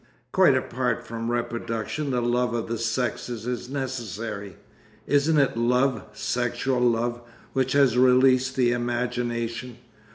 Quite apart from reproduction the love of the sexes is necessary. Isn't it love, sexual love, which has released the imagination?